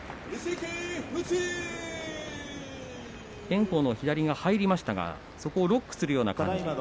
炎鵬の左が入りましたが、そこをロックするような感じ。